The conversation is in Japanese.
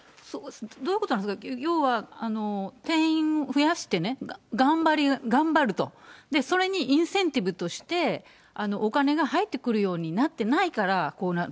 どういうことなんですか、要は、定員増やしてね、頑張ると、それにインセンティブとして、お金が入ってくるようになってないから、こうなる？